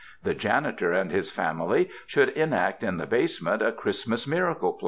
The janitor and his family should enact in the base ment a Christmas miracle play.